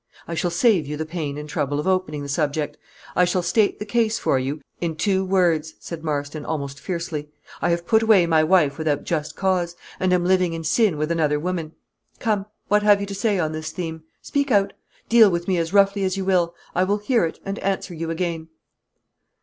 I shall save you the pain and trouble of opening the subject; I shall state the case for you in two words," said Marston, almost fiercely. "I have put away my wife without just cause, and am living in sin with another woman. Come, what have you to say on this theme? Speak out. Deal with me as roughly as you will, I will hear it, and answer you again."